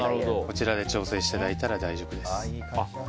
こちらで調整していただいたら大丈夫です。